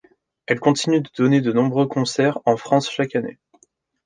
Elle continue de donner de nombreux concerts en France chaque année.